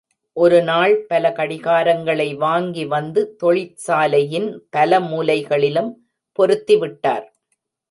ஒரு நாள், பல கடிகாரங்களை வாங்கி வந்து, தொழிற்சாலையின் பல மூலைகளிலும் பொருத்திவிட்டார்.